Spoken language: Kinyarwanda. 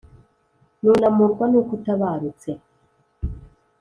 nunamurwa n'uko utabarutse,